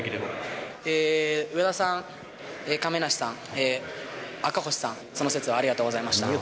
上田さん、亀梨さん、赤星さん、その節はありがとうございました。